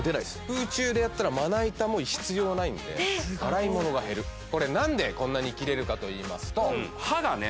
空中でやったらまな板も必要ないんで洗い物が減るこれ何でこんなに切れるかといいますと刃がね